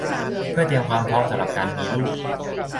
เพื่อเตรียมความพร้อมสำหรับการมีลูก